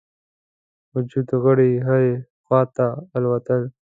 وجود غړي هري خواته الوتل.